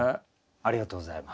ありがとうございます。